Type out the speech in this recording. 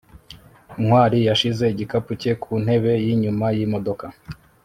ntwali yashyize igikapu cye ku ntebe yinyuma yimodoka